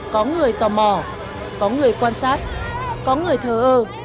có người tò mò có người quan sát có người thờ ơ